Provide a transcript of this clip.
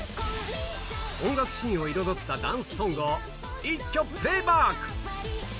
音楽シーンを彩ったダンスソングを一挙プレイバック。